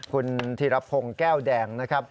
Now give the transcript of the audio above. คุณธีรพงศ์แก้วแดงนะครับ